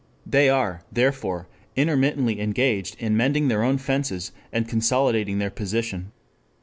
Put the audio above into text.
They are, therefore, intermittently engaged in mending their fences and consolidating their position.